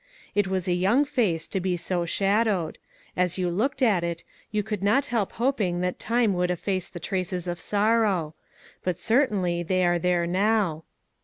It was a young face to be so shadowed; as you looked at it, you could not help hoping that time would efface the traces of sorrow; but certainly they were there now.